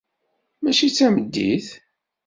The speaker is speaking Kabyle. Mačči tameddit